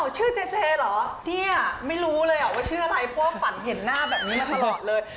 ชื่อเจเจเหรอเนี่ยไม่รู้เลยว่าชื่ออะไรเพราะว่าฝันเห็นหน้าแบบนี้มาตลอดเลย